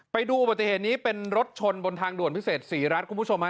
ไปดูปัจจุเหตุนี้เป็นรถชนบนทางด่วนพิเศษ๔รัฐคุณผู้ชมมา